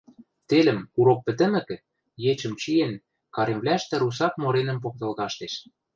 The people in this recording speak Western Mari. Телӹм, урок пӹтӹмӹкӹ, ечӹм чиэн, каремвлӓштӹ русак моренӹм поктыл каштеш.